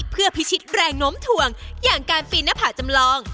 เพื่อพิชิตแรงโน้มถ่วงอย่างการปีนหน้าผากจำลอง